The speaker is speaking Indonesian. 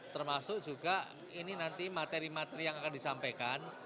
termasuk juga ini nanti materi materi yang akan disampaikan